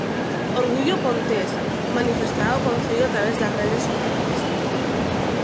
Orgullo pontés!, manifestaba o Concello a través das redes sociais.